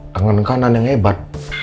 tangan kanan yang hebat